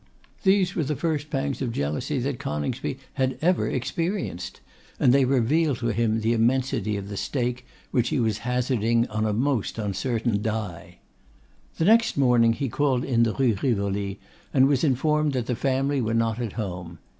These were the first pangs of jealousy that Coningsby had ever experienced, and they revealed to him the immensity of the stake which he was hazarding on a most uncertain die. The next morning he called in the Rue Rivoli, and was informed that the family were not at home.